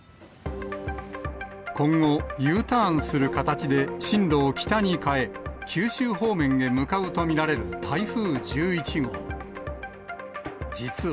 今後、Ｕターンする形で進路を北に変え、九州方面へ向かうと見られる台風１１号。